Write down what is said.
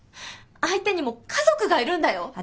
相手にも家族がいるんだよ？